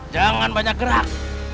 jangan banyak gerak